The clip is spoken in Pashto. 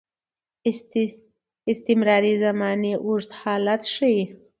استمراري ماضي اوږد حالت ښيي.